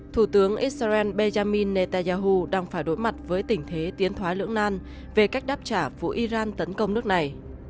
thủ tướng israel benjamin netanyahu đang phải đối mặt với tình thế tiến thoái lưỡng nan về cách đáp trả vụ iran tấn công nước này